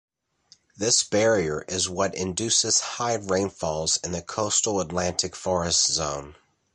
This barrier is what induces high rainfalls in the coastal Atlantic forest zone.